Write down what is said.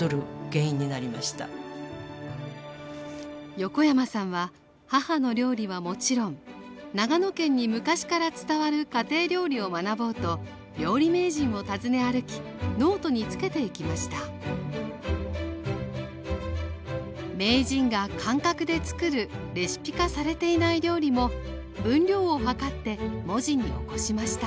横山さんは母の料理はもちろん長野県に昔から伝わる家庭料理を学ぼうと料理名人を訪ね歩きノートにつけていきました名人が感覚でつくるレシピ化されていない料理も分量を量って文字に起こしました